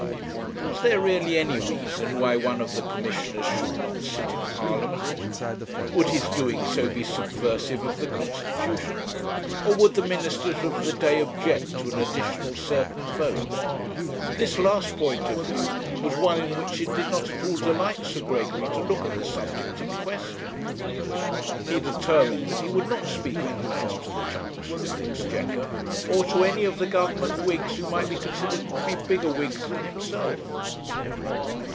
Was there really any reason why one of the commissioners should not sit in Parliament? Would his doing so be subversive of the constitution? Or would the ministers of the day object to an additional certain vote? This last point of view was one in which it did not at all delight Sir Gregory to look at the subject in question. He determined that he would not speak on the matter to the Chancellor of the Exchequer, or to any of the Government wigs who might be considered to be bigger wigs than himself.